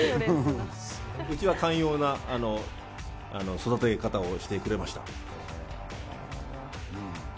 うちは寛容な育て方をしてくれました。